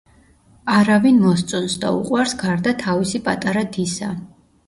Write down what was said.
არავინ მოსწონს და უყვარს გარდა თავისი პატარა დისა.